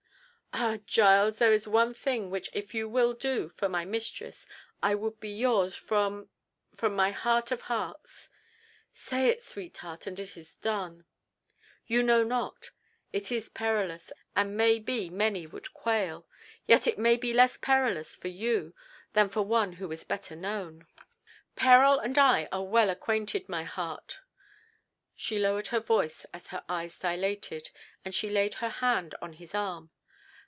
"Ah, Giles—there is one thing which if you will do for my mistress, I would be yours from—from my heart of hearts." "Say it, sweetheart, and it is done." "You know not. It is perilous, and may be many would quail. Yet it may be less perilous for you than for one who is better known." "Peril and I are well acquainted, my heart." She lowered her voice as her eyes dilated, and she laid her hand on his arm.